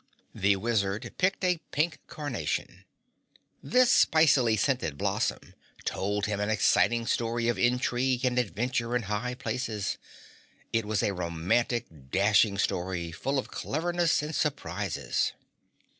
The Wizard selected a pink carnation. This spicily scented blossom told him an exciting story of intrigue and adventure in high places. It was a romantic, dashing story, full of cleverness and surprises.